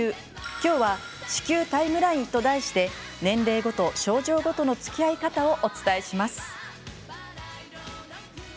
今日は子宮タイムラインと題して年齢ごと、症状ごとのつきあい方をお伝えします。